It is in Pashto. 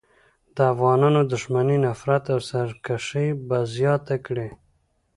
د افغانانو دښمني، نفرت او سرکښي به زیاته کړي.